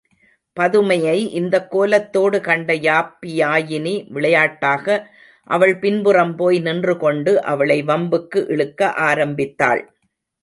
பதுமையை இந்தக் கோலத்தோடு கண்ட யாப்பியாயினி விளையாட்டாக அவள் பின்புறம் போய் நின்றுகொண்டு, அவளை வம்புக்கு இழுக்க ஆரம்பித்தாள்!